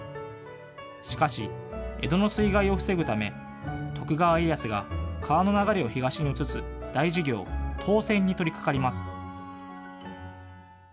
しかし、江戸の水害を防ぐため徳川家康が川の流れを東に移す大事業、東遷に取りかかります。